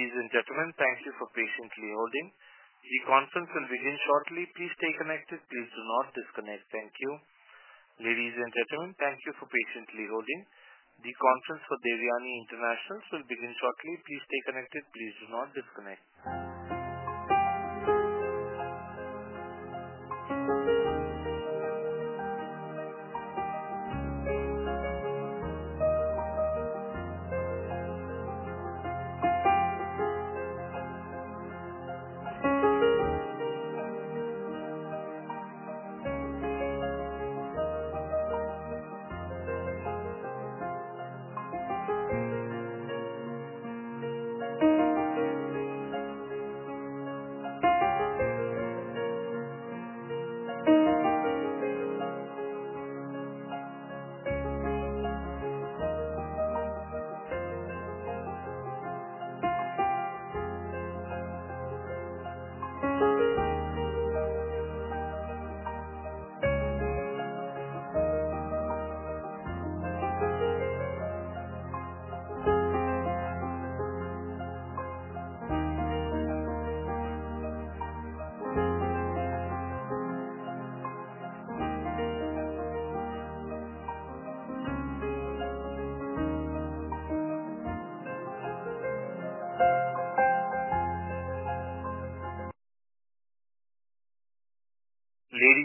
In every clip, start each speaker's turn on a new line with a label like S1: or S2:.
S1: Thank you for patiently holding. The conference for Devyani International will begin shortly. Please stay connected. Please do not disconnect.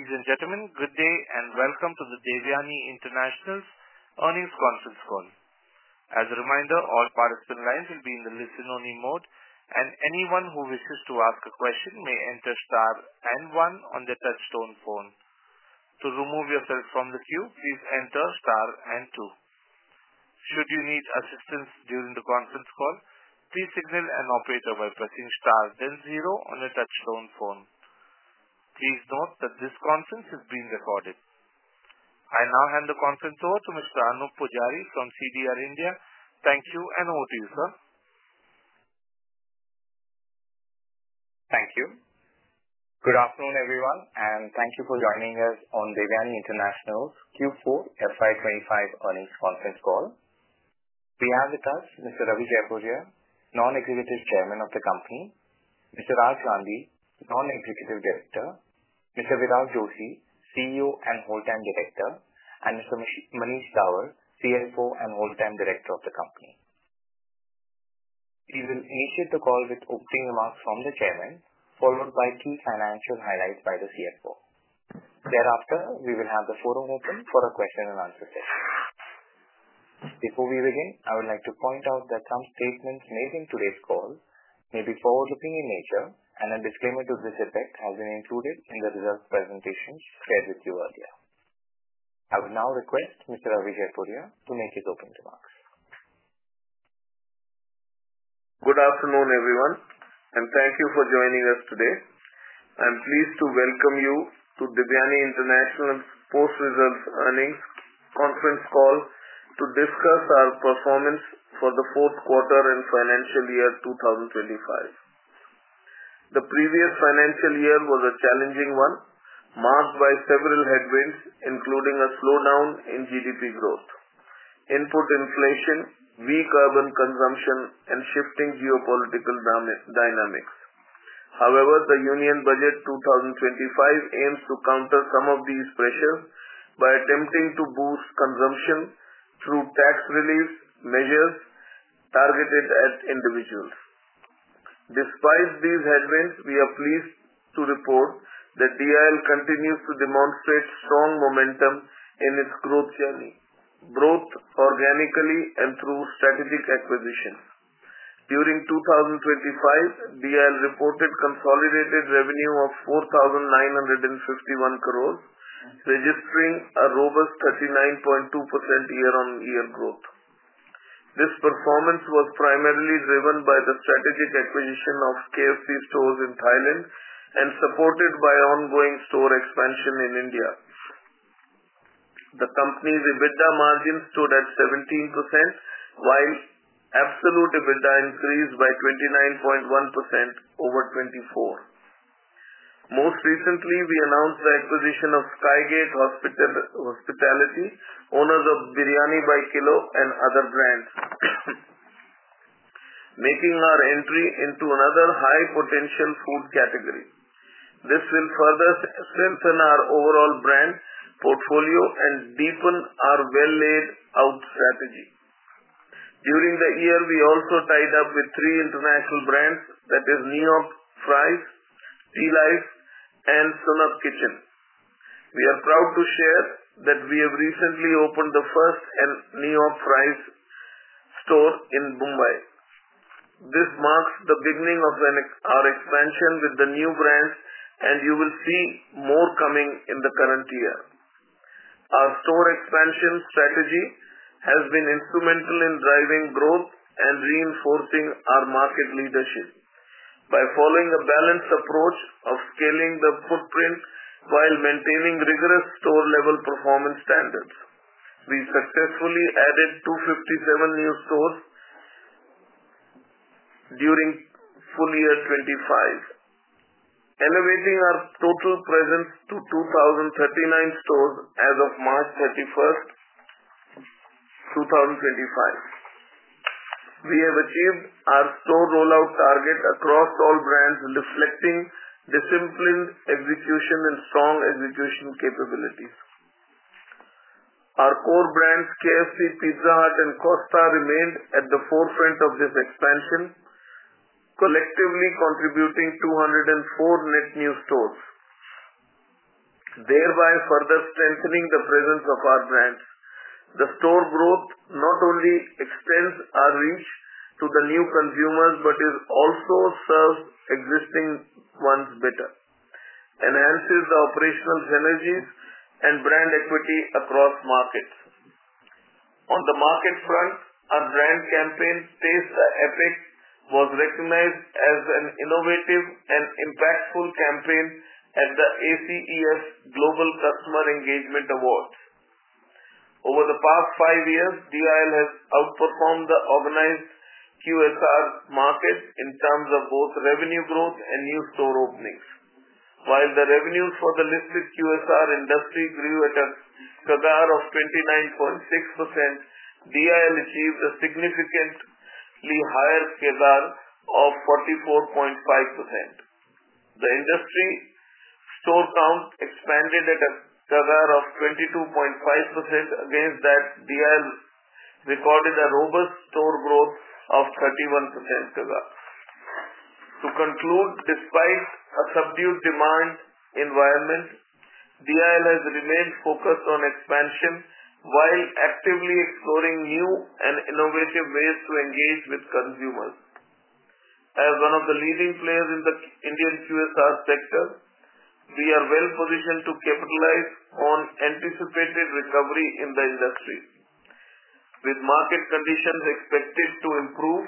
S1: Ladies and gentlemen, good day and welcome to the Devyani International's earnings conference call. As a reminder, all participant lines will be in the listen-only mode, and anyone who wishes to ask a question may enter star and one on the touchstone phone. To remove yourself from the queue, please enter *2. Should you need assistance during the conference call, please signal an operator by pressing * then 0 on the touchstone phone. Please note that this conference is being recorded. I now hand the conference over to Mr. Anoop Poojari from CDR India. Thank you and over to you, sir.
S2: Thank you. Good afternoon, everyone, and thank you for joining us on Devyani International's Q4 FY2025 earnings conference call. We have with us Mr. Ravi Jaipuria, Non-Executive Chairman of the company; Mr. Raj Gandhi, Non-Executive Director; Mr. Virag Joshi, CEO and Whole-Time Director; and Mr. Manish Dawar, CFO and Whole-Time Director of the company. We will initiate the call with opening remarks from the Chairman, followed by key financial highlights by the CFO. Thereafter, we will have the forum open for a question-and-answer session. Before we begin, I would like to point out that some statements made in today's call may be forward-looking in nature, and a disclaimer to this effect has been included in the results presentations shared with you earlier. I would now request Mr. Ravi Jaipuria to make his opening remarks.
S3: Good afternoon, everyone, and thank you for joining us today. I'm pleased to welcome you to Devyani International's post-results earnings conference call to discuss our performance for the fourth quarter and financial year 2025. The previous financial year was a challenging one, marked by several headwinds, including a slowdown in GDP growth, input inflation, weak urban consumption, and shifting geopolitical dynamics. However, the union budget 2025 aims to counter some of these pressures by attempting to boost consumption through tax relief measures targeted at individuals. Despite these headwinds, we are pleased to report that DIL continues to demonstrate strong momentum in its growth journey, both organically and through strategic acquisitions. During 2025, DIL reported consolidated revenue of 4,951 crore, registering a robust 39.2% year-on-year growth. This performance was primarily driven by the strategic acquisition of KFC stores in Thailand and supported by ongoing store expansion in India. The company's EBITDA margin stood at 17%, while absolute EBITDA increased by 29.1% over 2024. Most recently, we announced the acquisition of Sky Gate Hospitality, owners of Biryani by Kilo and other brands, making our entry into another high-potential food category. This will further strengthen our overall brand portfolio and deepen our well-laid-out strategy. During the year, we also tied up with three international brands, that is, New York Fries, Tealive, and Sanook Kitchen. We are proud to share that we have recently opened the first New York Fries store in Mumbai. This marks the beginning of our expansion with the new brands, and you will see more coming in the current year. Our store expansion strategy has been instrumental in driving growth and reinforcing our market leadership by following a balanced approach of scaling the footprint while maintaining rigorous store-level performance standards. We successfully added 257 new stores during full year 2025, elevating our total presence to 2,039 stores as of March 31, 2025. We have achieved our store rollout target across all brands, reflecting disciplined execution and strong execution capabilities. Our core brands, KFC, Pizza Hut, and Costa, remained at the forefront of this expansion, collectively contributing 204 net new stores, thereby further strengthening the presence of our brands. The store growth not only extends our reach to the new consumers but also serves existing ones better, enhances the operational synergies, and brand equity across markets. On the market front, our brand campaign, Taste the Epic, was recognized as an innovative and impactful campaign at the ACEF Global Customer Engagement Awards. Over the past five years, DIL has outperformed the organized QSR market in terms of both revenue growth and new store openings. While the revenues for the listed QSR industry grew at a CAGR of 29.6%, DIL achieved a significantly higher CAGR of 44.5%. The industry store count expanded at a CAGR of 22.5%. Against that, DIL recorded a robust store growth of 31%. To conclude, despite a subdued demand environment, DIL has remained focused on expansion while actively exploring new and innovative ways to engage with consumers. As one of the leading players in the Indian QSR sector, we are well-positioned to capitalize on anticipated recovery in the industry, with market conditions expected to improve,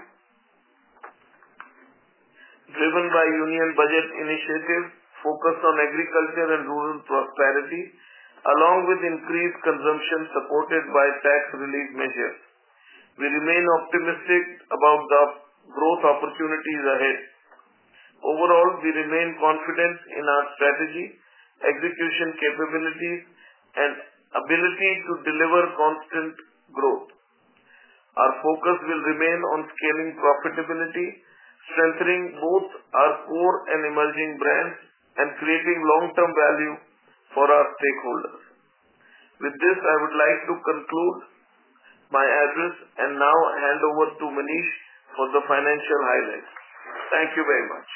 S3: driven by union budget initiatives focused on agriculture and rural prosperity, along with increased consumption supported by tax relief measures. We remain optimistic about the growth opportunities ahead. Overall, we remain confident in our strategy, execution capabilities, and ability to deliver constant growth. Our focus will remain on scaling profitability, strengthening both our core and emerging brands, and creating long-term value for our stakeholders. With this, I would like to conclude my address and now hand over to Manish for the financial highlights. Thank you very much.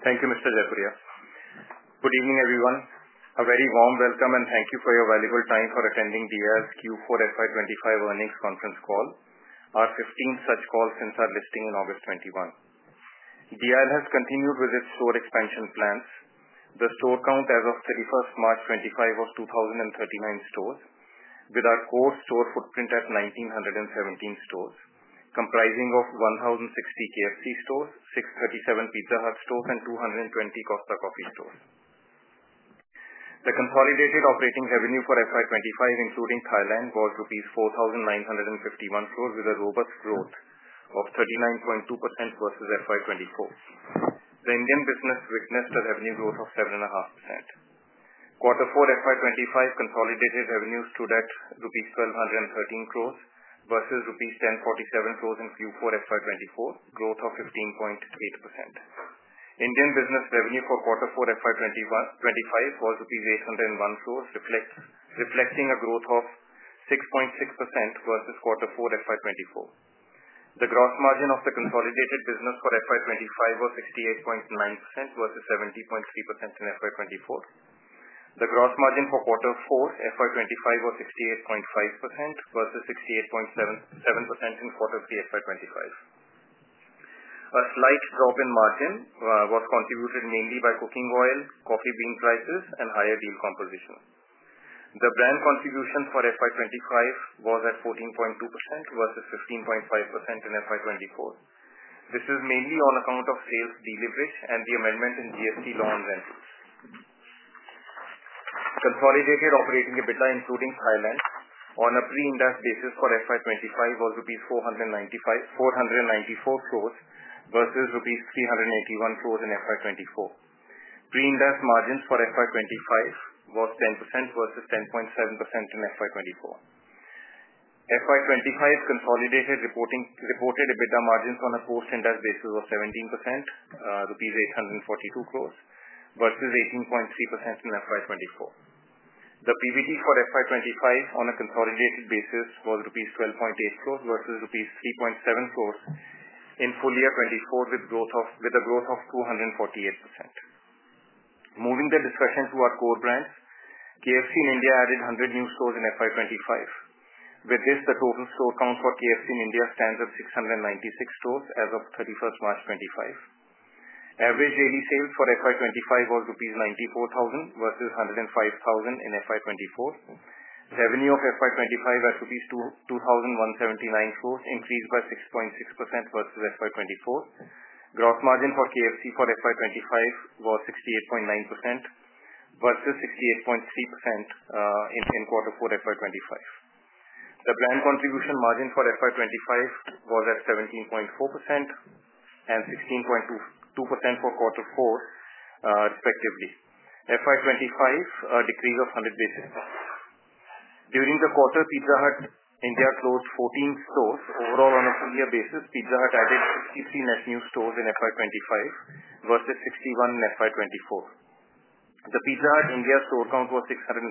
S4: Thank you, Mr. Jaipuria. Good evening, everyone. A very warm welcome, and thank you for your valuable time for attending DIL's Q4 FY2025 earnings conference call, our 15th such call since our listing in August 2021. DIL has continued with its store expansion plans. The store count as of 31 March 2025 was 2,039 stores, with our core store footprint at 1,917 stores, comprising of 1,060 KFC stores, 637 Pizza Hut stores, and 220 Costa Coffee stores. The consolidated operating revenue for FY2025, including Thailand, was INR 4,951 crore, with a robust growth of 39.2% versus FY2024. The Indian business witnessed a revenue growth of 7.5%. Q4 FY2025 consolidated revenues stood at rupees 1,213 crore versus rupees 1,047 crore in Q4 FY2024, growth of 15.8%. Indian business revenue for Q4 FY2025 was rupees 801 crore, reflecting a growth of 6.6% versus Q4 FY2024. The gross margin of the consolidated business for FY2025 was 68.9% versus 70.3% in FY2024. The gross margin for Q4 FY2025 was 68.5% versus 68.7% in Q3 FY2025. A slight drop in margin was contributed mainly by cooking oil, coffee bean prices, and higher deal composition. The brand contribution for FY2025 was at 14.2% versus 15.5% in FY2024. This is mainly on account of sales deleverage and the amendment in GST law on rentals. Consolidated operating EBITDA, including Thailand, on a pre-index basis for FY2025, was 494 crore rupees versus INR 381 crore in FY2024. Pre-index margins for FY2025 was 10% versus 10.7% in FY2024. FY2025 consolidated reported EBITDA margins on a post-index basis of 17%, rupees 842 crore versus 18.3% in FY2024. The PVD for FY2025 on a consolidated basis was rupees 12.8 crore versus rupees 3.7 crore in full year 2024, with a growth of 248%. Moving the discussion to our core brands, KFC in India added 100 new stores in FY2025. With this, the total store count for KFC in India stands at 696 stores as of 31 March 2025. Average daily sales for FY2025 was INR 94,000 versus 105,000 in FY2024. Revenue of FY2025 at INR 2,179 crore increased by 6.6% versus FY2024. Gross margin for KFC for FY2025 was 68.9% versus 68.3% in Q4 FY2025. The brand contribution margin for FY2025 was at 17.4% and 16.2% for Q4, respectively. FY2025 decreased of 100 basis points. During the quarter, Pizza Hut India closed 14 stores. Overall, on a full year basis, Pizza Hut added 63 net new stores in FY2025 versus 61 in FY2024. The Pizza Hut India store count was 630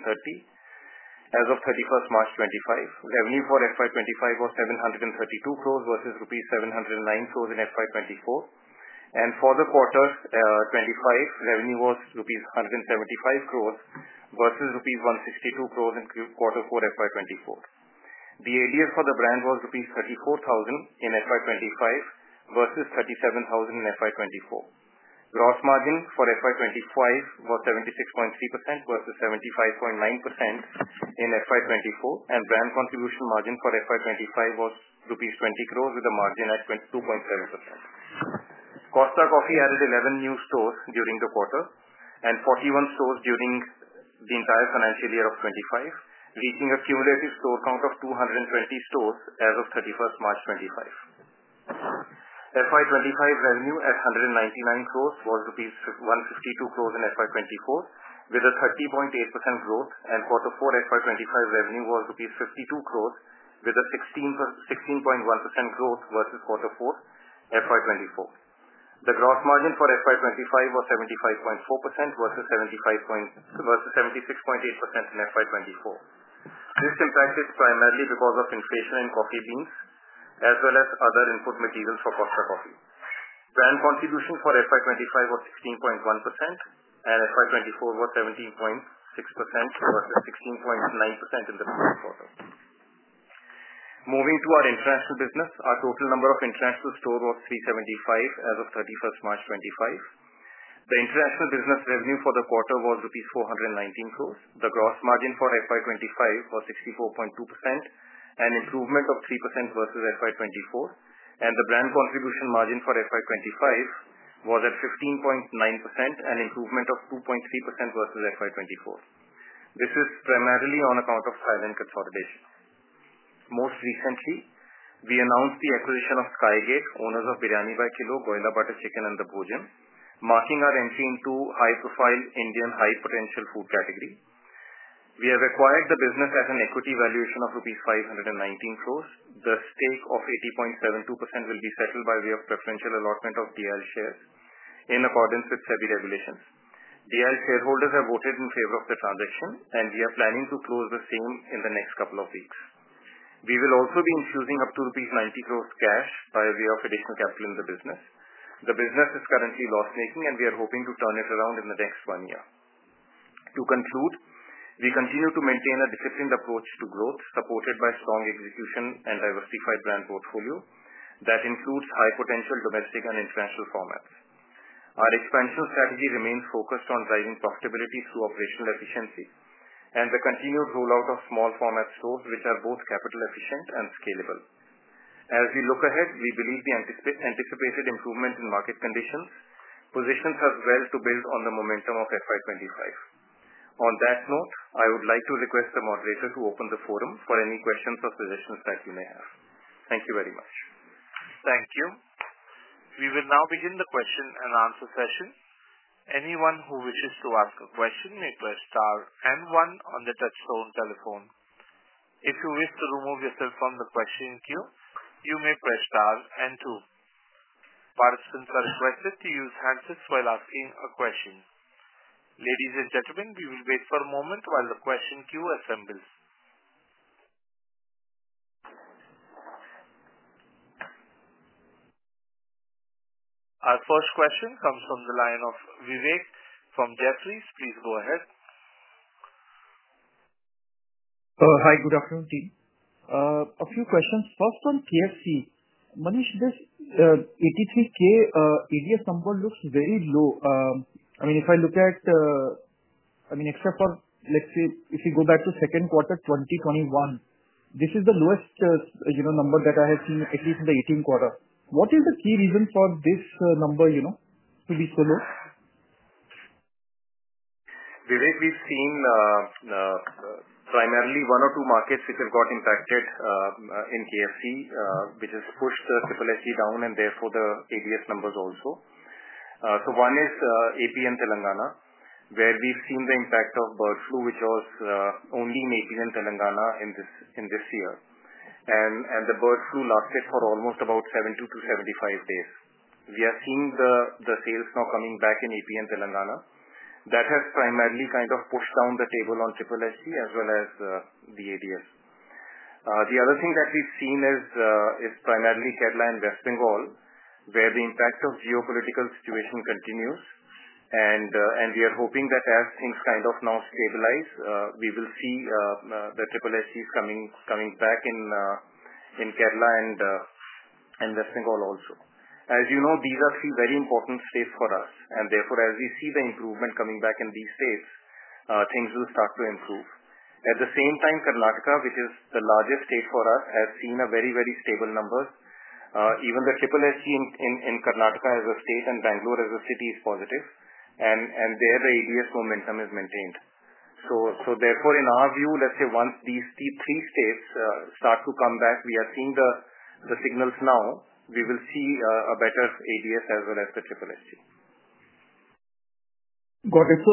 S4: as of 31 March 2025. Revenue for FY2025 was 732 crore versus rupees 709 crore in FY2024. For the quarter 2025, revenue was rupees 175 crore versus rupees 162 crore in Q4 FY 2024. The ADS for the brand was rupees 34,000 in FY 2025 versus 37,000 in FY 2024. Gross margin for FY 2025 was 76.3% versus 75.9% in FY 2024, and brand contribution margin for FY 2025 was rupees 20 crore with a margin at 2.7%. Costa Coffee added 11 new stores during the quarter and 41 stores during the entire financial year of 2025, reaching a cumulative store count of 220 stores as of 31 March 2025. FY 2025 revenue at 199 crore was rupees 152 crore in FY 2024, with a 30.8% growth, and Q4 FY 2025 revenue was rupees 52 crore, with a 16.1% growth versus Q4 FY 2024. The gross margin for FY 2025 was 75.4% versus 76.8% in FY 2024. This was impacted primarily because of inflation in coffee beans as well as other input materials for Costa Coffee. Brand contribution for FY 2025 was 16.1%, and FY 2024 was 17.6% versus 16.9% in the previous quarter. Moving to our international business, our total number of international stores was 375 as of 31 March 2025. The international business revenue for the quarter was INR 419 crore. The gross margin for FY 2025 was 64.2%, an improvement of 3% versus FY 2024, and the brand contribution margin for FY 2025 was at 15.9%, an improvement of 2.3% versus FY 2024. This is primarily on account of Thailand consolidation. Most recently, we announced the acquisition of Sky Gate Hospitality, owners of Biryani by Kilo, Goila Butter Chicken, and The Bhojan, marking our entry into high-profile Indian high-potential food category. We have acquired the business at an equity valuation of INR 519 crore. The stake of 80.72% will be settled by way of preferential allotment of DIL shares in accordance with SEBI regulations. DIL shareholders have voted in favor of the transaction, and we are planning to close the same in the next couple of weeks. We will also be infusing up to 90 crore rupees cash by way of additional capital in the business. The business is currently loss-making, and we are hoping to turn it around in the next one year. To conclude, we continue to maintain a disciplined approach to growth, supported by strong execution and diversified brand portfolio that includes high-potential domestic and international formats. Our expansion strategy remains focused on driving profitability through operational efficiency and the continued rollout of small-format stores, which are both capital-efficient and scalable. As we look ahead, we believe the anticipated improvement in market conditions positions us well to build on the momentum of FY 2025. On that note, I would like to request the moderator to open the forum for any questions or suggestions that you may have. Thank you very much.
S1: Thank you. We will now begin the question and answer session. Anyone who wishes to ask a question may press * and 1 on the touchstone telephone. If you wish to remove yourself from the question queue, you may press * and 2. Participants are requested to use handsets while asking a question. Ladies and gentlemen, we will wait for a moment while the question queue assembles. Our first question comes from the line of Vivek from Jefferies. Please go ahead. Hi, good afternoon, team. A few questions. First, on KFC, Manish, this 83K ADS number looks very low. I mean, if I look at, I mean, except for, let's say, if you go back to second quarter 2021, this is the lowest number that I have seen, at least in the 18th quarter. What is the key reason for this number to be so low?
S4: Vivek, we've seen primarily one or two markets which have got impacted in KFC, which has pushed the SSSG down, and therefore the ADS numbers also. One is Andhra Pradesh and Telangana, where we've seen the impact of bird flu, which was only in Andhra Pradesh and Telangana in this year. The bird flu lasted for almost about 72-75 days. We are seeing the sales now coming back in Andhra Pradesh and Telangana. That has primarily kind of pushed down the table on SSSG as well as the ADS. The other thing that we've seen is primarily Kerala and West Bengal, where the impact of geopolitical situation continues. We are hoping that as things kind of now stabilize, we will see the SSSGs coming back in Kerala and West Bengal also. As you know, these are three very important states for us. Therefore, as we see the improvement coming back in these states, things will start to improve. At the same time, Karnataka, which is the largest state for us, has seen very, very stable numbers. Even the SSSG in Karnataka as a state and Bangalore as a city is positive, and there the ADS momentum is maintained. Therefore, in our view, let's say once these three states start to come back, we are seeing the signals now, we will see a better ADS as well as the SSSG. Got it.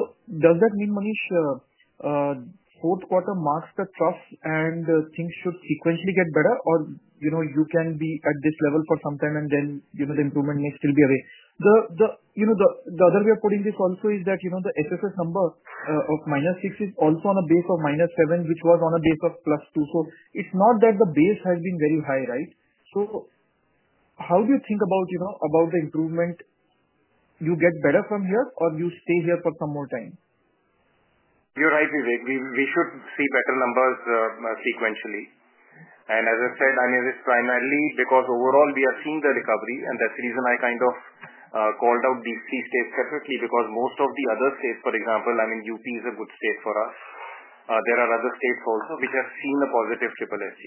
S4: Does that mean, Manish, fourth quarter marks the trough and things should sequentially get better, or you can be at this level for some time and then the improvement may still be away? The other way of putting this also is that the SSSG number of -6% is also on a base of -7%, which was on a base of +2%. It is not that the base has been very high, right? How do you think about the improvement? You get better from here or you stay here for some more time? You're right, Vivek. We should see better numbers sequentially. As I said, I mean, it's primarily because overall we have seen the recovery, and that's the reason I kind of called out these three states separately because most of the other states, for example, I mean, UP is a good state for us. There are other states also which have seen a positive SSSG.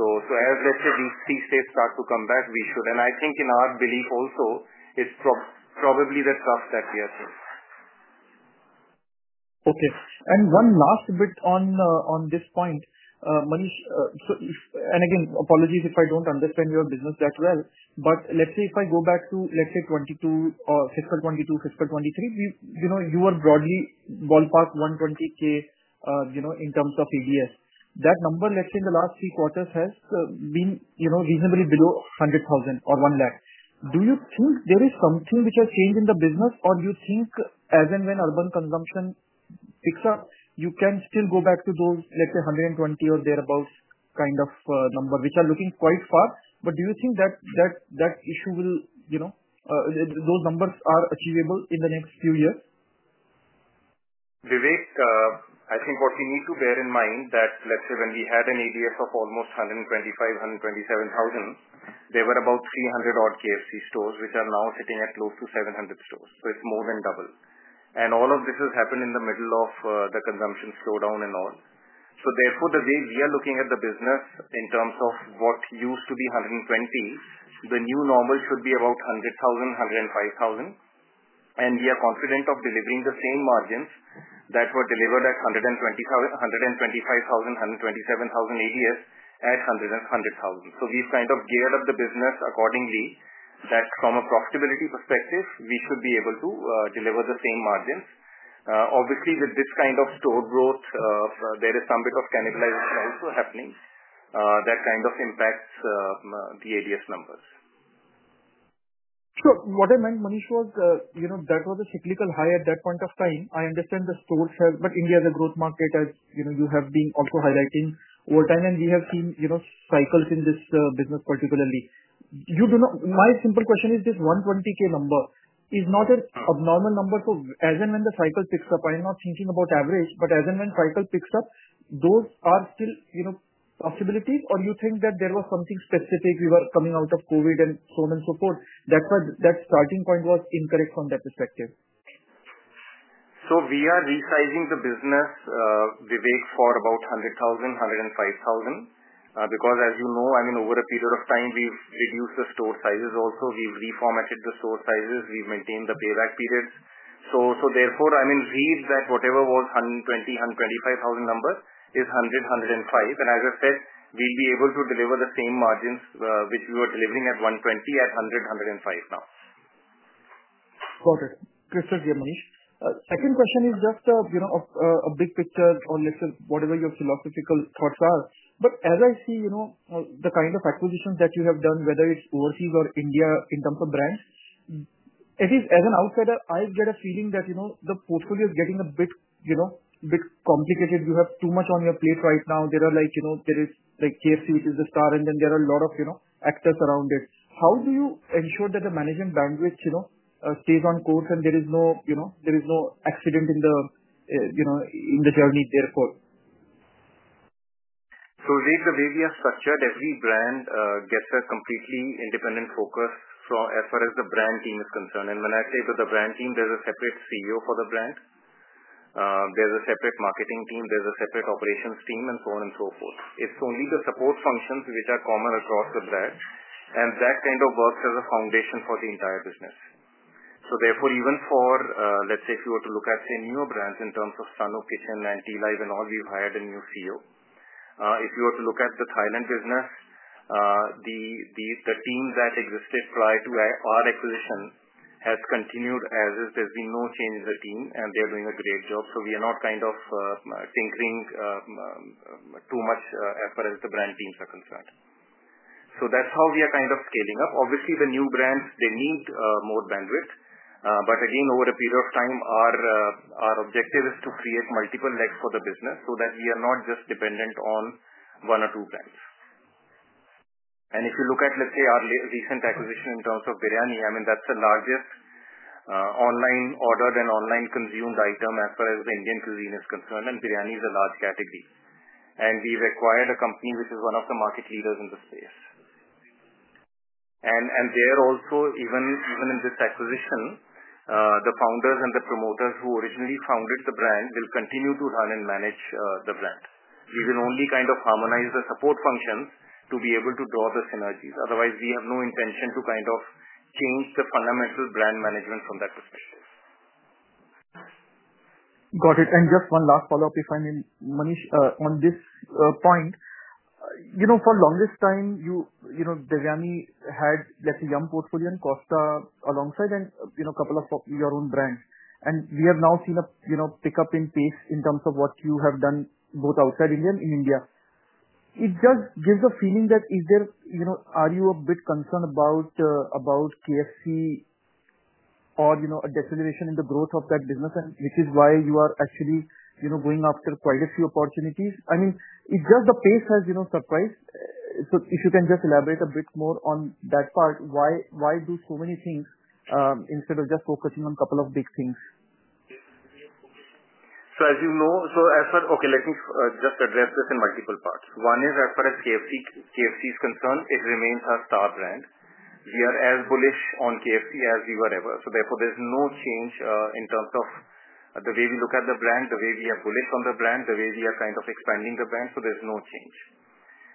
S4: As, let's say, these three states start to come back, we should. I think in our belief also, it's probably the trough that we are seeing. Okay. One last bit on this point, Manish. Again, apologies if I do not understand your business that well. If I go back to, let's say, fiscal 2022, fiscal 2023, you were broadly ballpark 120,000 in terms of ADS. That number, in the last three quarters, has been reasonably below 100,000 or 1 lakh. Do you think there is something which has changed in the business, or do you think as and when urban consumption picks up, you can still go back to those, let's say, 120,000 or thereabouts kind of number, which are looking quite far? Do you think that issue will—those numbers are achievable in the next few years? Vivek, I think what we need to bear in mind is that, let's say, when we had an ADS of almost 125,000-127,000, there were about 300-odd KFC stores which are now sitting at close to 700 stores. It is more than double. All of this has happened in the middle of the consumption slowdown and all. Therefore, the way we are looking at the business in terms of what used to be 120,000, the new normal should be about 100,000-105,000. We are confident of delivering the same margins that were delivered at 125,000-127,000 ADS at 100,000. We have kind of geared up the business accordingly that from a profitability perspective, we should be able to deliver the same margins. Obviously, with this kind of store growth, there is some bit of cannibalization also happening that kind of impacts the ADS numbers. What I meant, Manish, was that was a cyclical high at that point of time. I understand the stores have, but India is a growth market as you have been also highlighting all time, and we have seen cycles in this business particularly. My simple question is this 120K number is not an abnormal number. As and when the cycle picks up, I'm not thinking about average, but as and when cycle picks up, those are still possibilities, or you think that there was something specific we were coming out of COVID and so on and so forth that that starting point was incorrect from that perspective? We are resizing the business, Vivek, for about 100,000-105,000 because, as you know, I mean, over a period of time, we've reduced the store sizes also. We've reformatted the store sizes. We've maintained the payback periods. Therefore, I mean, read that whatever was 120,000-125,000 number is 100,000-105,000. As I said, we'll be able to deliver the same margins which we were delivering at 120,000, at 100,000-105,000 now. Got it. Crystal clear, Manish. Second question is just a big picture or, let's say, whatever your philosophical thoughts are. As I see the kind of acquisitions that you have done, whether it's overseas or India in terms of brands, as an outsider, I get a feeling that the portfolio is getting a bit complicated. You have too much on your plate right now. There is KFC, which is the star, and then there are a lot of actors around it. How do you ensure that the management bandwidth stays on course and there is no accident in the journey therefore? The way we have structured, every brand gets a completely independent focus as far as the brand team is concerned. When I say the brand team, there is a separate CEO for the brand. There is a separate marketing team. There is a separate operations team and so on and so forth. It is only the support functions which are common across the brand, and that kind of works as a foundation for the entire business. Therefore, even for, let's say, if you were to look at, say, newer brands in terms of Sanook Kitchen and Tealive and all, we have hired a new CEO. If you were to look at the Thailand business, the team that existed prior to our acquisition has continued as is. There has been no change in the team, and they are doing a great job. We are not kind of tinkering too much as far as the brand teams are concerned. That is how we are kind of scaling up. Obviously, the new brands, they need more bandwidth. Again, over a period of time, our objective is to create multiple legs for the business so that we are not just dependent on one or two brands. If you look at, let's say, our recent acquisition in terms of Biryani, I mean, that is the largest online ordered and online consumed item as far as the Indian cuisine is concerned, and biryani is a large category. We have acquired a company which is one of the market leaders in the space. There also, even in this acquisition, the founders and the promoters who originally founded the brand will continue to run and manage the brand. We will only kind of harmonize the support functions to be able to draw the synergies. Otherwise, we have no intention to kind of change the fundamental brand management from that perspective. Got it. Just one last follow-up, if I may, Manish, on this point. For the longest time, biryani had, let's say, Yum portfolio and Costa alongside and a couple of your own brands. We have now seen a pickup in pace in terms of what you have done both outside India and in India. It just gives a feeling that are you a bit concerned about KFC or a deceleration in the growth of that business, which is why you are actually going after quite a few opportunities? I mean, it's just the pace has surprised. If you can just elaborate a bit more on that part, why do so many things instead of just focusing on a couple of big things? As you know, as far as KFC is concerned, it remains our star brand. We are as bullish on KFC as we were ever. Therefore, there is no change in terms of the way we look at the brand, the way we are bullish on the brand, the way we are kind of expanding the brand. There is no change.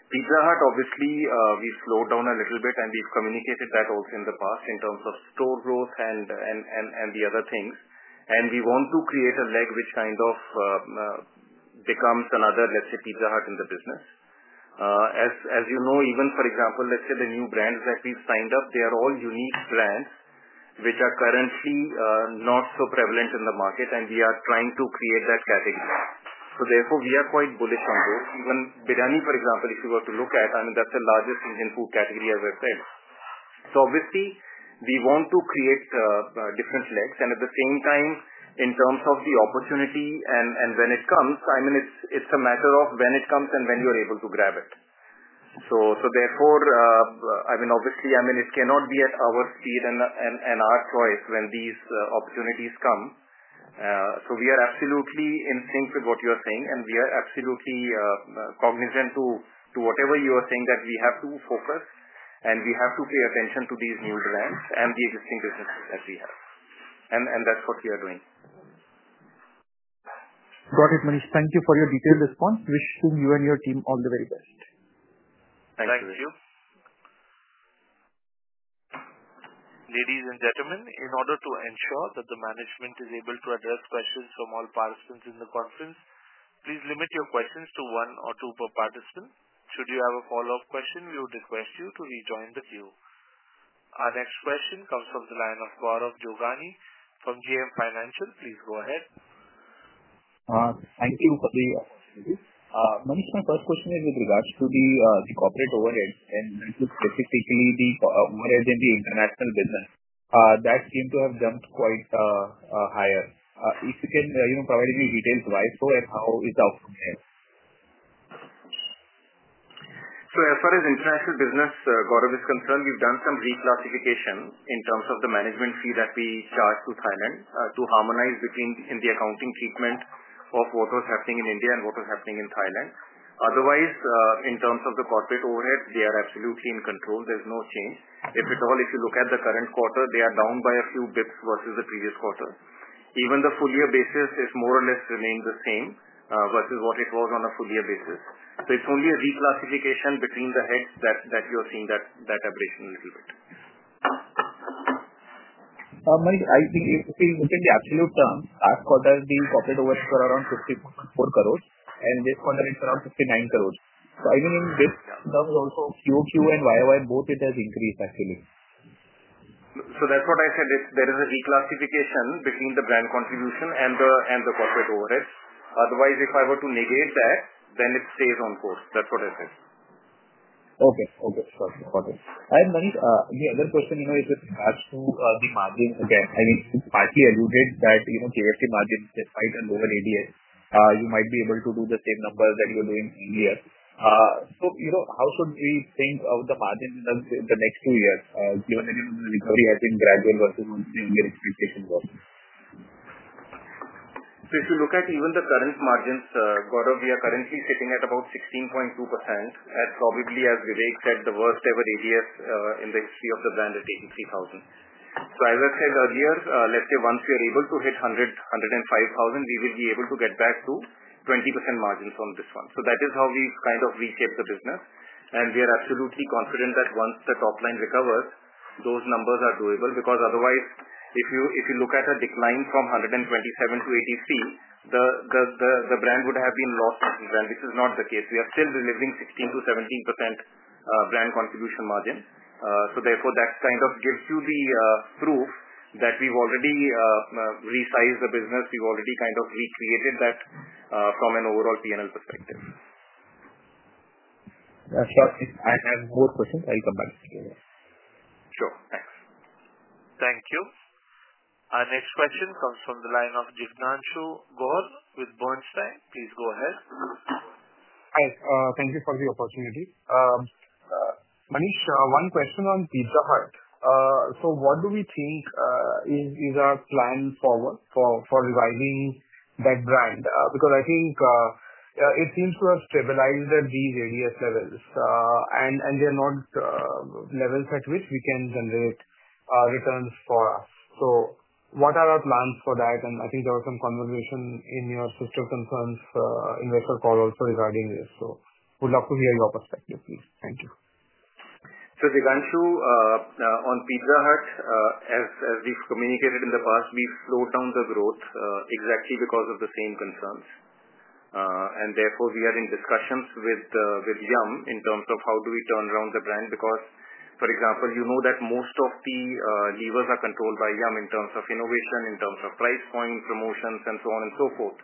S4: Pizza Hut, obviously, we have slowed down a little bit, and we have communicated that also in the past in terms of store growth and the other things. We want to create a leg which kind of becomes another, let's say, Pizza Hut in the business. As you know, even for example, let's say the new brands that we've signed up, they are all unique brands which are currently not so prevalent in the market, and we are trying to create that category. Therefore, we are quite bullish on those. Even biryani, for example, if you were to look at, I mean, that's the largest Indian food category, as I said. Obviously, we want to create different legs. At the same time, in terms of the opportunity and when it comes, I mean, it's a matter of when it comes and when you're able to grab it. Therefore, I mean, obviously, I mean, it cannot be at our speed and our choice when these opportunities come. We are absolutely in sync with what you are saying, and we are absolutely cognizant to whatever you are saying that we have to focus, and we have to pay attention to these new brands and the existing businesses that we have. That's what we are doing. Got it, Manish. Thank you for your detailed response. Wishing you and your team all the very best. Thank you.
S1: Thank you. Ladies and gentlemen, in order to ensure that the management is able to address questions from all participants in the conference, please limit your questions to one or two per participant. Should you have a follow-up question, we would request you to rejoin the queue. Our next question comes from line of Gaurav Jogani from JM Financial. Please go ahead.
S5: Thank you for the opportunity. Manish, my first question is with regards to the corporate overhead, and this is specifically the overhead in the international business. That seemed to have jumped quite higher. If you can provide any details why so and how is the outcome there?
S4: As far as international business, Gautam is concerned, we've done some reclassification in terms of the management fee that we charge to Thailand to harmonize between the accounting treatment of what was happening in India and what was happening in Thailand. Otherwise, in terms of the corporate overhead, they are absolutely in control. There's no change. If at all, if you look at the current quarter, they are down by a few basis points versus the previous quarter. Even the full-year basis is more or less remained the same versus what it was on a full-year basis. It is only a reclassification between the heads that you are seeing that aberration a little bit.
S5: Manish, I think if we look at the absolute term, last quarter, the corporate overhead was around 540 million, and this quarter, it's around 590 million. I mean, in this term also, QQ and YYY, both it has increased, actually.
S4: That's what I said. There is a reclassification between the brand contribution and the corporate overhead. Otherwise, if I were to negate that, then it stays on course. That's what I said.
S5: Okay. Okay. Got it. Got it. Manish, the other question is with regards to the margins again. I mean, it's partially alluded that KFC margins, despite a lower ADS, you might be able to do the same numbers that you are doing in India. How should we think of the margin in the next two years, given that the recovery has been gradual versus what the earlier expectation was?
S4: If you look at even the current margins, Gautam, we are currently sitting at about 16.2% at probably, as Vivek said, the worst-ever ADS in the history of the brand, at 83,000. As I said earlier, let's say once we are able to hit 100,000-105,000, we will be able to get back to 20% margins on this one. That is how we've kind of reshaped the business. We are absolutely confident that once the top line recovers, those numbers are doable because otherwise, if you look at a decline from 127,000 to 83,000, the brand would have been lost to the brand, which is not the case. We are still delivering 16%-17% brand contribution margin. Therefore, that kind of gives you the proof that we've already resized the business. We've already kind of recreated that from an overall P&L perspective.
S5: I have more questions. I'll come back to you.
S4: Sure. Thanks.
S1: Thank you. Our next question comes from line of Jayanthu Gowar with Bernstein. Please go ahead. Hi. Thank you for the opportunity. Manish, one question on Pizza Hut. What do we think is our plan forward for reviving that brand? I think it seems to have stabilized at these ADS levels, and they are not levels at which we can generate returns for us. What are our plans for that? I think there was some conversation in your sister's concerns investor call also regarding this. Would love to hear your perspective, please. Thank you.
S4: Jiyanshu, on Pizza Hut, as we have communicated in the past, we have slowed down the growth exactly because of the same concerns. Therefore, we are in discussions with Yum in terms of how do we turn around the brand because, for example, you know that most of the levers are controlled by Yum in terms of innovation, in terms of price point, promotions, and so on and so forth.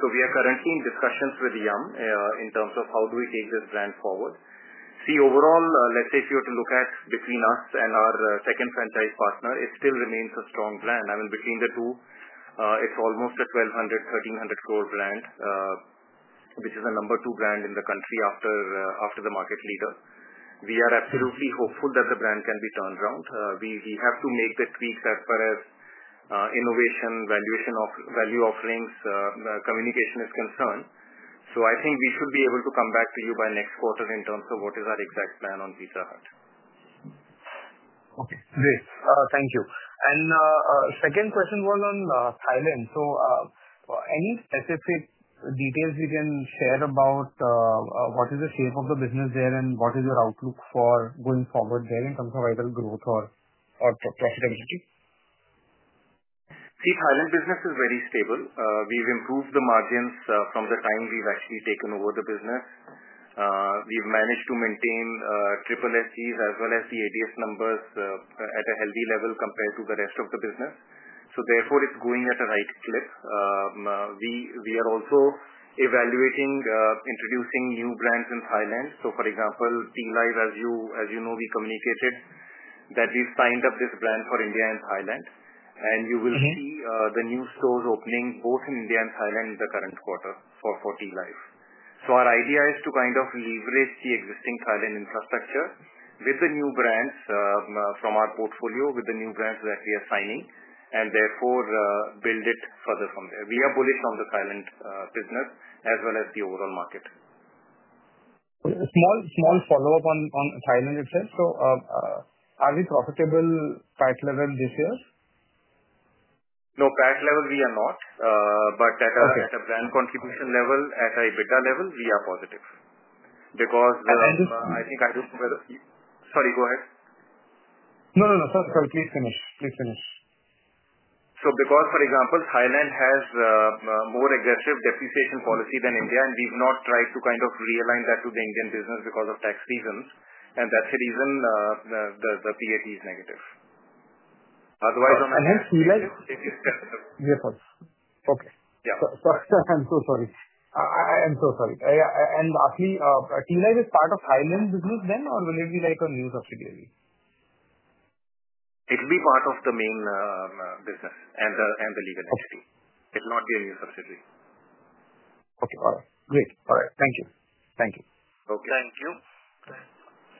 S4: We are currently in discussions with Yum in terms of how do we take this brand forward. See, overall, let's say if you were to look at between us and our second franchise partner, it still remains a strong brand. I mean, between the two, it is almost an 1,200 crore-1,300 crore brand, which is the number two brand in the country after the market leader. We are absolutely hopeful that the brand can be turned around. We have to make the tweaks as far as innovation, value offerings, communication is concerned. I think we should be able to come back to you by next quarter in terms of what is our exact plan on Pizza Hut. Okay. Great. Thank you. Second question was on Thailand. Any specific details you can share about what is the shape of the business there and what is your outlook for going forward there in terms of either growth or profitability? See, Thailand business is very stable. We've improved the margins from the time we've actually taken over the business. We've managed to maintain triple SSGs as well as the ADS numbers at a healthy level compared to the rest of the business. Therefore, it's going at a right clip. We are also evaluating introducing new brands in Thailand. For example, Tealive, as you know, we communicated that we've signed up this brand for India and Thailand. You will see the new stores opening both in India and Thailand in the current quarter for Tealive. Our idea is to kind of leverage the existing Thailand infrastructure with the new brands from our portfolio, with the new brands that we are signing, and therefore build it further from there. We are bullish on the Thailand business as well as the overall market. Small follow-up on Thailand itself. Are we profitable at level this year? No, at level, we are not. At a brand contribution level, at an EBITDA level, we are positive because I think I don't know whether sorry, go ahead. No, no. Sorry, sorry. Please finish. Please finish. Because, for example, Thailand has a more aggressive depreciation policy than India, and we've not tried to kind of realign that to the Indian business because of tax reasons. That's the reason the PAT is negative. Otherwise, on that. Tea Live? Yes. Okay. Yeah. Sorry. I'm so sorry. I am so sorry. Actually, Tealive is part of Thailand business then, or will it be like a new subsidiary? It'll be part of the main business and the legal entity. It'll not be a new subsidiary. Okay. All right. Great. All right. Thank you. Thank you. Okay.
S1: Thank you.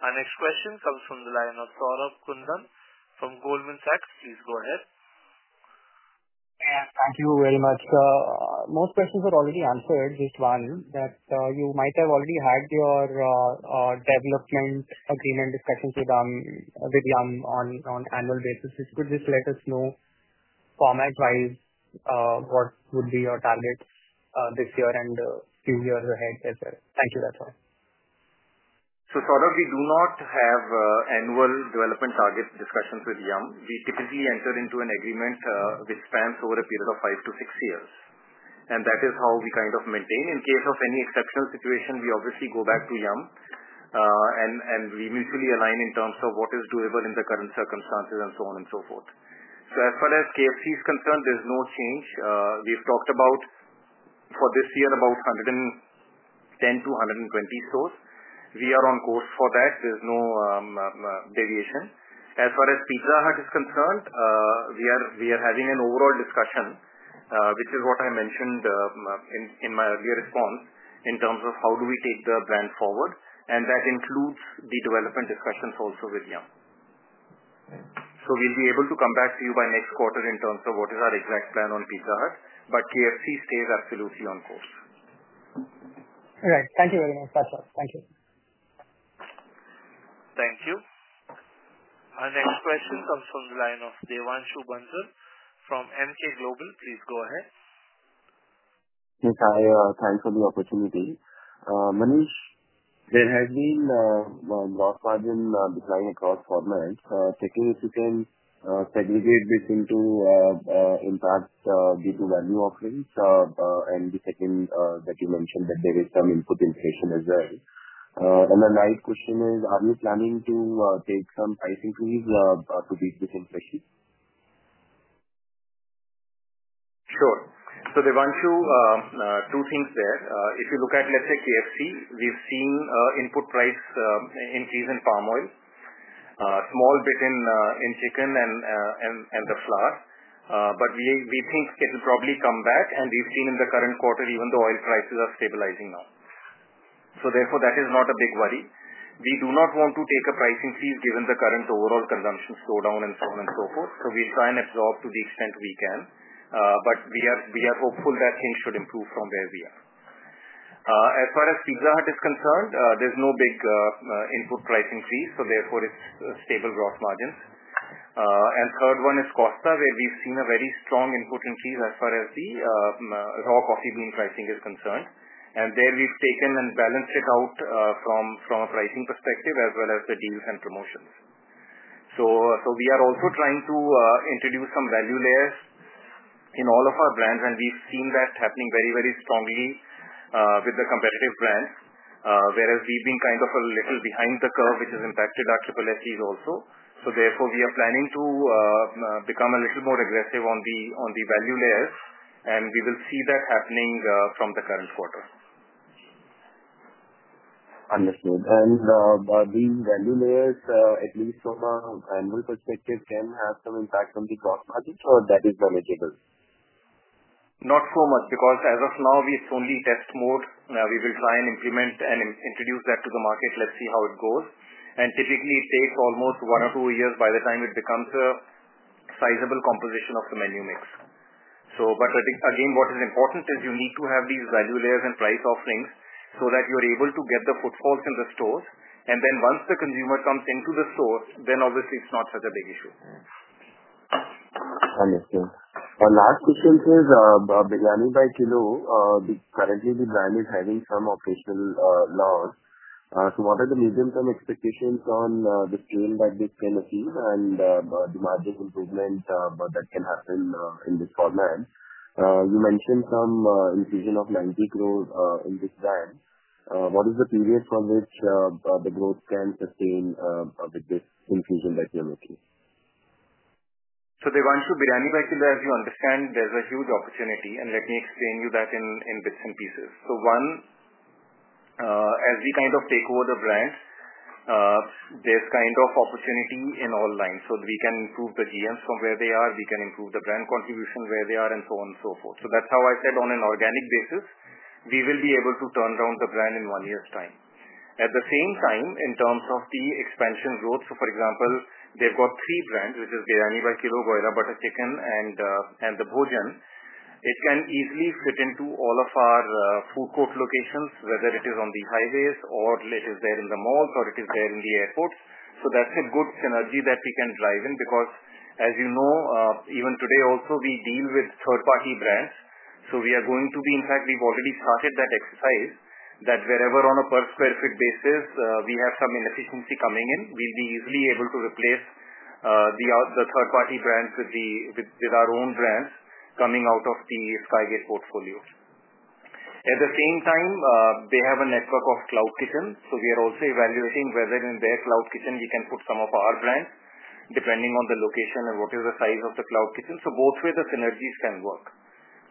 S1: Our next question comes from line of Saurabh Kundan from Goldman Sachs. Please go ahead.
S6: Thank you very much. Most questions were already answered. Just one that you might have already had your development agreement discussions with Yum on an annual basis. Could you just let us know format-wise what would be your targets this year and a few years ahead as well? Thank you. That's all.
S4: We do not have annual development target discussions with Yum. We typically enter into an agreement which spans over a period of five to six years. That is how we kind of maintain. In case of any exceptional situation, we obviously go back to Yum, and we mutually align in terms of what is doable in the current circumstances and so on and so forth. As far as KFC is concerned, there is no change. We have talked about for this year about 110-120 stores. We are on course for that. There is no deviation. As far as Pizza Hut is concerned, we are having an overall discussion, which is what I mentioned in my earlier response, in terms of how do we take the brand forward. That includes the development discussions also with Yum. We'll be able to come back to you by next quarter in terms of what is our exact plan on Pizza Hut. KFC stays absolutely on course.
S6: All right. Thank you very much. That's all. Thank you.
S1: Thank you. Our next question comes from line of Ravi Jaipuria from Emkay Global. Please go ahead.
S7: Yes. Hi. Thanks for the opportunity. Manish, there has been a broad margin decline across formats. Second, if you can segregate this into impact due to value offerings and the second that you mentioned that there is some input inflation as well. The ninth question is, are you planning to take some price increase to beat this inflation?
S4: Sure. So Devanshu, two things there. If you look at, let's say, KFC, we've seen input price increase in palm oil, small bit in chicken and the flour. We think it'll probably come back. We've seen in the current quarter, even though oil prices are stabilizing now. Therefore, that is not a big worry. We do not want to take a price increase given the current overall consumption slowdown and so on and so forth. We'll try and absorb to the extent we can. We are hopeful that things should improve from where we are. As far as Pizza Hut is concerned, there's no big input price increase. Therefore, it's stable gross margins. The third one is Costa, where we've seen a very strong input increase as far as the raw coffee bean pricing is concerned. There we have taken and balanced it out from a pricing perspective as well as the deals and promotions. We are also trying to introduce some value layers in all of our brands. We have seen that happening very, very strongly with the competitive brands, whereas we have been kind of a little behind the curve, which has impacted our SSSG also. Therefore, we are planning to become a little more aggressive on the value layers. We will see that happening from the current quarter.
S7: Understood. These value layers, at least from an annual perspective, can have some impact on the gross margins, or that is manageable?
S4: Not so much because as of now, it's only test mode. We will try and implement and introduce that to the market. Let's see how it goes. Typically, it takes almost one or two years by the time it becomes a sizable composition of the menu mix. What is important is you need to have these value layers and price offerings so that you're able to get the footfalls in the stores. Once the consumer comes into the store, then obviously, it's not such a big issue.
S7: Understood. Our last question is, Biryani by Kilo, currently, the brand is having some operational loss. What are the medium-term expectations on the scale that this can achieve and the margin improvement that can happen in this format? You mentioned some infusion of 900,000,000 in this brand. What is the period for which the growth can sustain with this infusion that you're making?
S4: Devanshu, as you understand, there's a huge opportunity. Let me explain to you that in bits and pieces. One, as we kind of take over the brand, there's kind of opportunity in all lines. We can improve the GMs from where they are. We can improve the brand contribution where they are and so on and so forth. That's how I said on an organic basis, we will be able to turn around the brand in one year's time. At the same time, in terms of the expansion growth, for example, they've got three brands, which are Biryani by Kilo, Goila Butter Chicken, and The Bhojan. It can easily fit into all of our food court locations, whether it is on the highways or it is there in the malls or it is there in the airports. That's a good synergy that we can drive in because, as you know, even today also, we deal with third-party brands. We are going to be, in fact, we've already started that exercise that wherever on a per sq ft basis, we have some inefficiency coming in, we'll be easily able to replace the third-party brands with our own brands coming out of the Sky Gate portfolio. At the same time, they have a network of cloud kitchens. We are also evaluating whether in their cloud kitchen, we can put some of our brands depending on the location and what is the size of the cloud kitchen. Both ways, the synergies can work.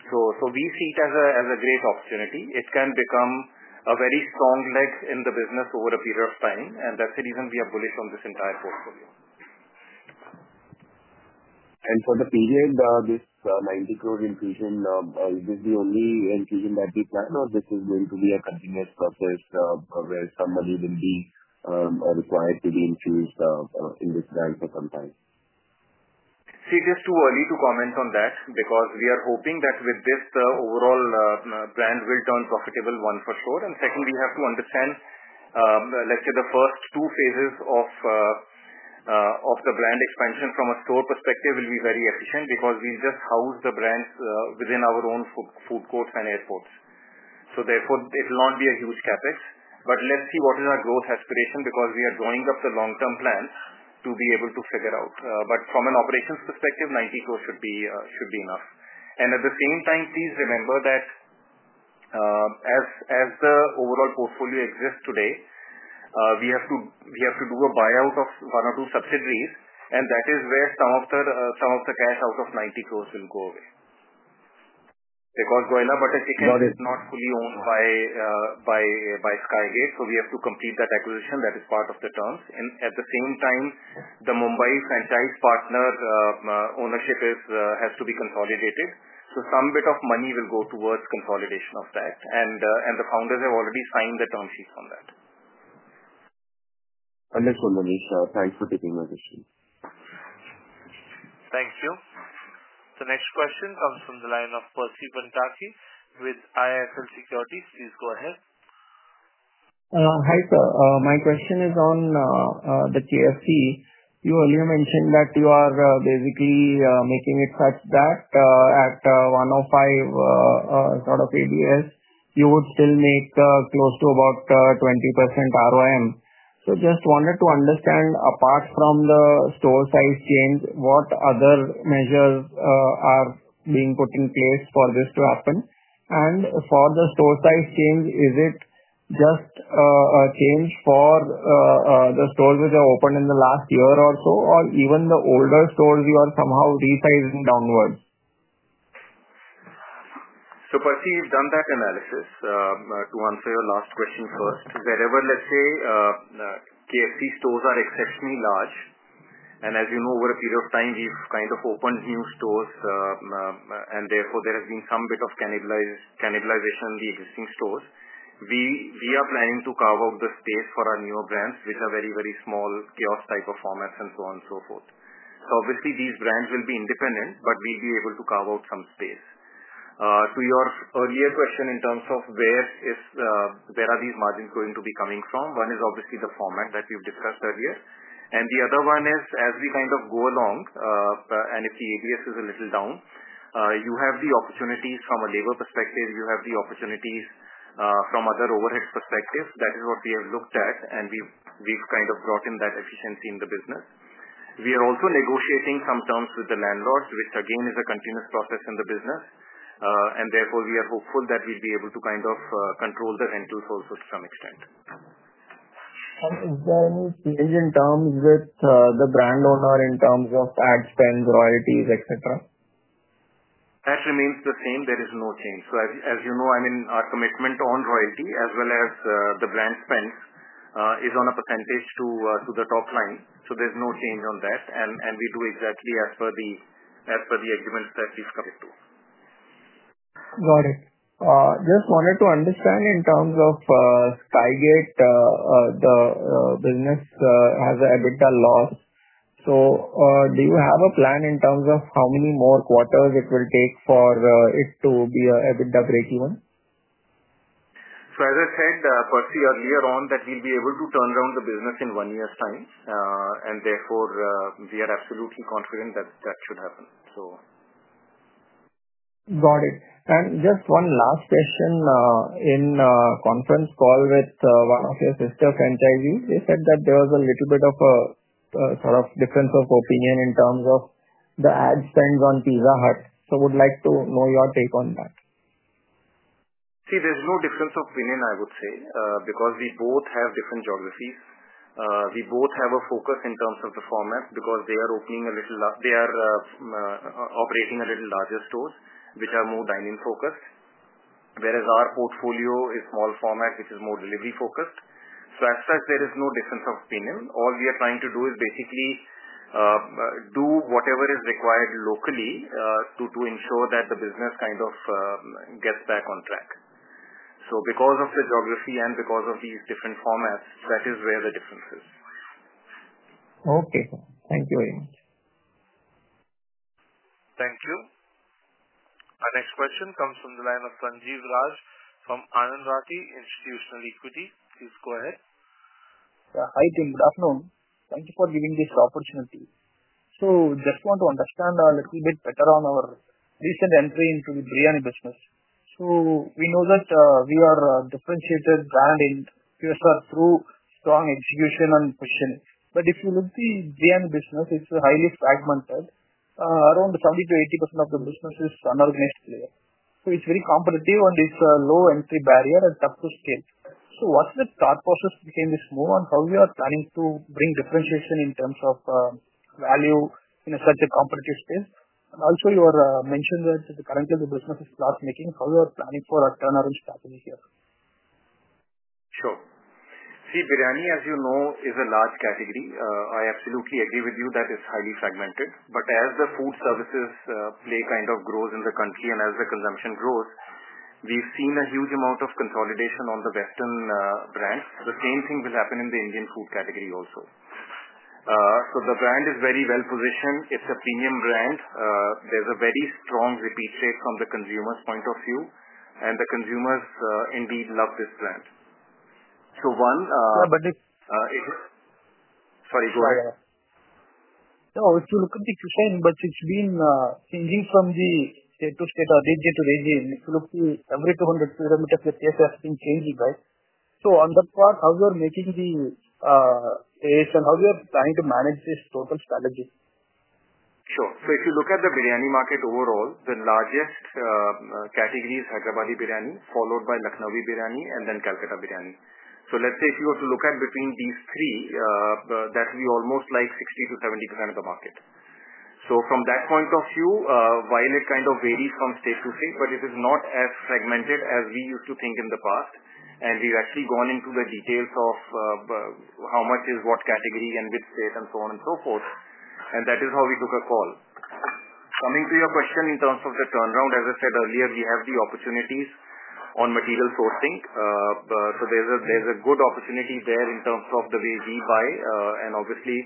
S4: We see it as a great opportunity. It can become a very strong leg in the business over a period of time. That's the reason we are bullish on this entire portfolio.
S7: For the period, this 900 million infusion, is this the only infusion that we plan, or is this going to be a continuous process where some money will be required to be infused in this brand for some time?
S4: See, it is too early to comment on that because we are hoping that with this, the overall brand will turn profitable, one for sure. Second, we have to understand, let's say, the first two phases of the brand expansion from a store perspective will be very efficient because we'll just house the brands within our own food courts and airports. Therefore, it will not be a huge CapEx. Let's see what is our growth aspiration because we are drawing up the long-term plans to be able to figure out. From an operations perspective, 90 crore should be enough. At the same time, please remember that as the overall portfolio exists today, we have to do a buyout of one or two subsidiaries. That is where some of the cash out of 90 crore will go away because Goila Butter Chicken is not fully owned by Sky Gate Hospitality. We have to complete that acquisition. That is part of the terms. At the same time, the Mumbai franchise partner ownership has to be consolidated. Some bit of money will go towards consolidation of that. The founders have already signed the term sheets on that.
S7: Understood, Manish. Thanks for taking my question.
S1: Thank you. The next question comes from line of Ravi Jayanthu Gowar with ISL Securities. Please go ahead. Hi, sir. My question is on the KFC. You earlier mentioned that you are basically making it such that at 105 sort of ADS, you would still make close to about 20% ROM. Just wanted to understand, apart from the store size change, what other measures are being put in place for this to happen? For the store size change, is it just a change for the stores which are open in the last year or so, or even the older stores you are somehow resizing downwards?
S4: Firstly, we've done that analysis to answer your last question first. Wherever, let's say, KFC stores are exceptionally large, and as you know, over a period of time, we've kind of opened new stores, and therefore, there has been some bit of cannibalization in the existing stores, we are planning to carve out the space for our newer brands, which are very, very small kiosk type of formats and so on and so forth. Obviously, these brands will be independent, but we'll be able to carve out some space. To your earlier question in terms of where are these margins going to be coming from, one is obviously the format that we've discussed earlier. The other one is, as we kind of go along, and if the ADS is a little down, you have the opportunities from a labor perspective. You have the opportunities from other overhead perspectives. That is what we have looked at, and we've kind of brought in that efficiency in the business. We are also negotiating some terms with the landlords, which again is a continuous process in the business. Therefore, we are hopeful that we'll be able to kind of control the rentals also to some extent. Is there any change in terms with the brand owner in terms of ad spend, royalties, etc.? That remains the same. There is no change. As you know, I mean, our commitment on royalty as well as the brand spends is on a percentage to the top line. There is no change on that. We do exactly as per the agreements that we've committed to. Got it. Just wanted to understand in terms of Sky Gate, the business has a bit of loss. So do you have a plan in terms of how many more quarters it will take for it to be a bit of a break-even? As I said, firstly, earlier on that we'll be able to turn around the business in one year's time. Therefore, we are absolutely confident that that should happen. Got it. Just one last question. In a conference call with one of your sister franchisees, they said that there was a little bit of a sort of difference of opinion in terms of the ad spends on Pizza Hut. Would like to know your take on that. See, there's no difference of opinion, I would say, because we both have different geographies. We both have a focus in terms of the formats because they are operating a little larger stores which are more dine-in focused, whereas our portfolio is small format, which is more delivery focused. As such, there is no difference of opinion. All we are trying to do is basically do whatever is required locally to ensure that the business kind of gets back on track. Because of the geography and because of these different formats, that is where the difference is. Okay. Thank you very much.
S1: Thank you. Our next question comes from line of Sanjeev Raj from Anand Rathi Institutional Equities. Please go ahead.
S8: Hi, team. Good afternoon. Thank you for giving this opportunity. Just want to understand a little bit better on our recent entry into the biryani business. We know that we are a differentiated brand in U.S.A. through strong execution and positioning. If you look at the biryani business, it's highly fragmented. Around 70-80% of the business is unorganized player. It's very competitive, and it's a low entry barrier and tough to scale. What's the thought process behind this move and how you are planning to bring differentiation in terms of value in such a competitive space? Also, you mentioned that currently, the business is plus making. How are you planning for a turnaround strategy here?
S4: Sure. See, biryani, as you know, is a large category. I absolutely agree with you that it's highly fragmented. As the food services play kind of grows in the country and as the consumption grows, we've seen a huge amount of consolidation on the Western brands. The same thing will happen in the Indian food category also. The brand is very well positioned. It's a premium brand. There's a very strong repeat rate from the consumer's point of view. The consumers indeed love this brand. One.
S8: Sir?
S4: It is. Sorry, go ahead.
S8: No, if you look at the chains, it's been changing from day to day, day to day. If you look at every 200 kilometers, the chains have been changing, right? On that part, how are you making the ASN, how are you trying to manage this total strategy?
S4: Sure. If you look at the biryani market overall, the largest category is Hyderabadi biryani, followed by Lucknowi biryani, and then Calcutta biryani. Let's say if you were to look at between these three, that would be almost like 60-70% of the market. From that point of view, while it kind of varies from state to state, it is not as fragmented as we used to think in the past. We've actually gone into the details of how much is what category and which state and so on and so forth. That is how we took a call. Coming to your question in terms of the turnaround, as I said earlier, we have the opportunities on material sourcing. There's a good opportunity there in terms of the way we buy. Obviously,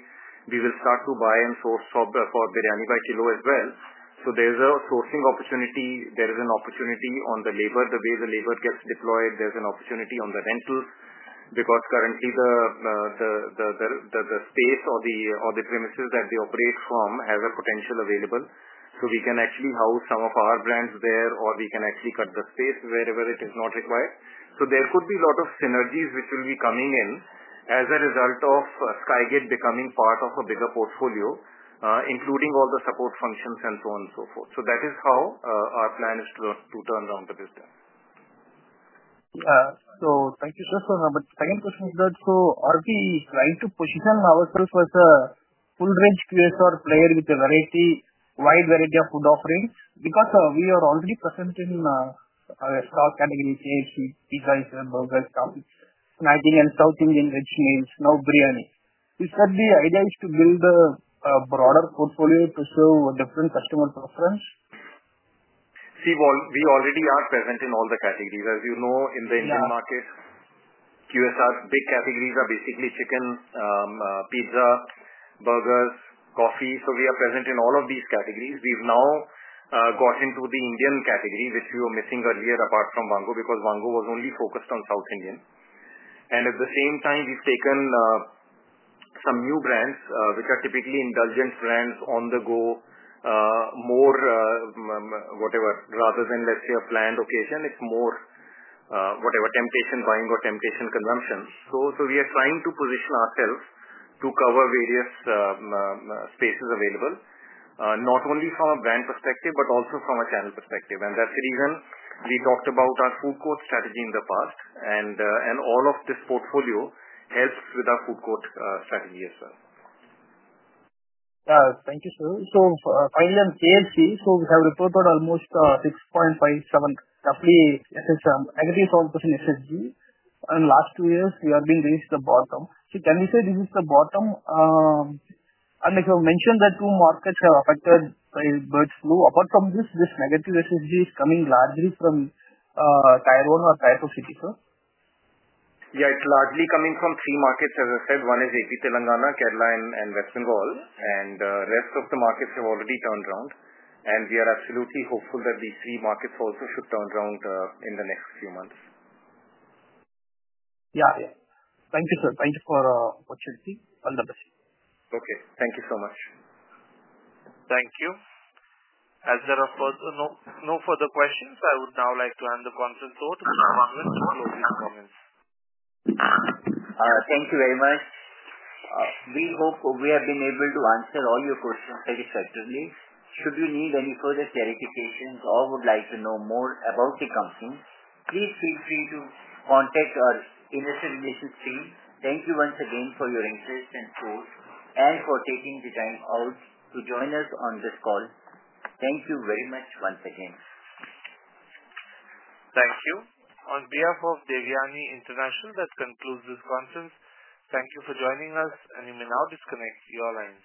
S4: we will start to buy and source for Biryani by Kilo as well. There is a sourcing opportunity. There is an opportunity on the labor, the way the labor gets deployed. There is an opportunity on the rentals because currently, the space or the premises that they operate from has a potential available. We can actually house some of our brands there, or we can actually cut the space wherever it is not required. There could be a lot of synergies which will be coming in as a result of Sky Gate Hospitality becoming part of a bigger portfolio, including all the support functions and so on and so forth. That is how our plan is to turn around the business.
S8: Thank you, sir. Second question is that, are we trying to position ourselves as a full-range QSR player with a wide variety of food offerings? Because we are already present in our core category, KFC, Pizza Hut, Burger, Coffee, Snacking, and South Indian vegetables, now Biryani. Is that the idea, to build a broader portfolio to serve different customer preference?
S4: See, we already are present in all the categories. As you know, in the Indian market, QSR big categories are basically chicken, pizza, burgers, coffee. So we are present in all of these categories. We've now got into the Indian category, which we were missing earlier apart from Vangu because Vangu was only focused on South Indian. At the same time, we've taken some new brands which are typically indulgence brands on the go, more whatever, rather than, let's say, a planned occasion. It's more whatever, temptation buying or temptation consumption. We are trying to position ourselves to cover various spaces available, not only from a brand perspective but also from a channel perspective. That's the reason we talked about our food court strategy in the past. All of this portfolio helps with our food court strategy as well.
S8: Thank you, sir. Finally, on KFC, we have reported almost 6.57, roughly. SSG. Negative output in SSG. In the last two years, we have been reached the bottom. Can we say this is the bottom? You mentioned that two markets have been affected by bird flu. Apart from this, is this negative SSG coming largely from Tyrone or Tyrone City, sir?
S4: Yeah, it's largely coming from three markets, as I said. One is Andhra Pradesh Telangana, Kerala, and West Bengal. The rest of the markets have already turned around. We are absolutely hopeful that these three markets also should turn around in the next few months.
S8: Yeah. Thank you, sir. Thank you for the opportunity. All the best.
S4: Okay. Thank you so much.
S1: Thank you. As there are no further questions, I would now like to end the conference. Over to Ravi Jaipuria with closing comments.
S3: Thank you very much. We hope we have been able to answer all your questions satisfactorily. Should you need any further clarifications or would like to know more about the company, please feel free to contact our Investor Relations team. Thank you once again for your interest and support and for taking the time out to join us on this call. Thank you very much once again.
S1: Thank you. On behalf of Devyani International, that concludes this conference. Thank you for joining us, and you may now disconnect. You are live.